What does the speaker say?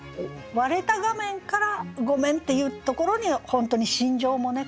割れた画面から「ごめん」って言うところに本当に心情もね